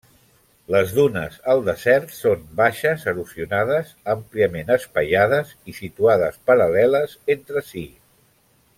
Les dunes al desert són baixes, erosionades, àmpliament espaiades i situades paral·leles entre si.